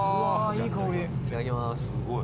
いい香り。